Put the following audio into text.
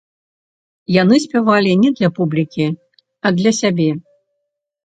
Яны спявалі не для публікі, а для сябе.